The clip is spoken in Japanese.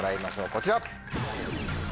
こちら！